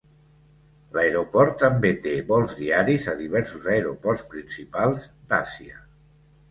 L'Aeroport també té vols diaris a diversos aeroports principals d'Àsia.